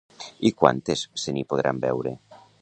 I quantes se n'hi podran veure?